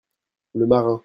Le marin.